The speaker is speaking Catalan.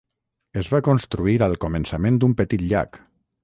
Es va construir al començament d'un petit llac.